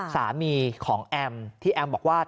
สามีของแอมที่แอมบอกว่า